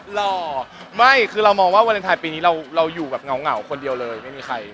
หล่อไม่คือเรามองว่าวาเลนไทยปีนี้เราอยู่แบบเหงาคนเดียวเลยไม่มีใคร